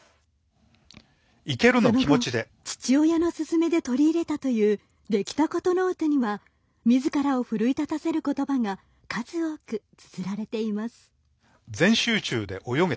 その後、父親の勧めで取り入れたというできたことノートにはみずからを奮い立たせることばが数多くつづられています。